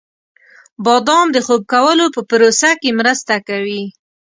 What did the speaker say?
• بادام د خوب کولو په پروسه کې مرسته کوي.